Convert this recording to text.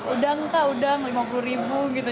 udang kak udang lima puluh ribu gitu